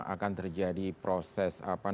akan terjadi proses